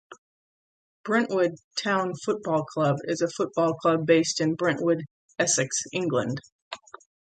Brentwood Town Football Club is a football club based in Brentwood, Essex, England.